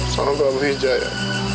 sama pak wujaya